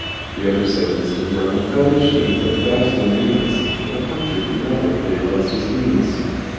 The other cyclist in brown had a machine of dazzling newness, and a punctured pneumatic lay across his knees.